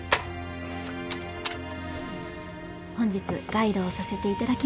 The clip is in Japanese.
本日ガイドをさせていただきます